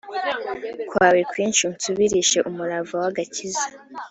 kwawe kwinshi unsubirishe umurava w agakiza